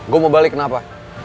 gua mau balik kenapa